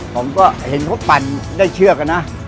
ผมก็เห็นเขาปั่นได้เชือกอะนะ